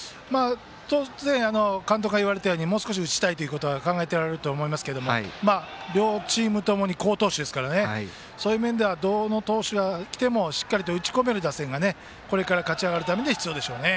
当然監督が言われたようにもう少し打ちたいと考えておられると思いますが両チームともに好投手なのでそういう面ではどの投手が来ても打ち込める打線がこれから勝ち上がるためには必要でしょうね。